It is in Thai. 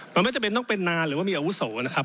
มันไม่จำเป็นต้องเป็นนานหรือว่ามีอาวุโสนะครับ